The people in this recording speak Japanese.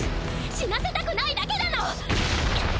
死なせたくないだけなの！